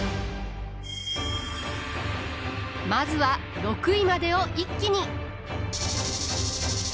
まずは６位までを一気に！